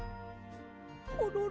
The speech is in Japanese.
コロロ。